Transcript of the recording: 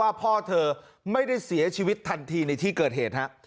พ่อเธอไม่ได้เสียชีวิตทันทีในที่เกิดเหตุฮะ